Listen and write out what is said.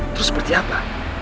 terus seperti apa